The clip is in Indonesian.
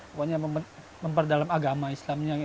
pokoknya memperdalam agama islamnya